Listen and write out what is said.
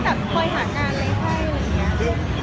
ที่แบบคอยหาการอะไรแทบอะไรอย่างเงี้ย